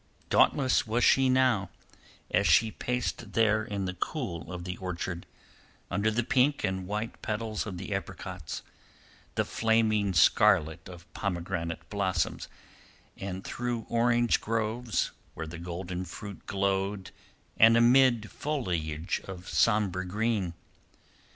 Dauntless was she now, as she paced there in the cool of the orchard, under the pink and white petals of the apricots, the flaming scarlet of pomegranate blossoms, and through orange groves where the golden fruit glowed and amid foliage of sombre green.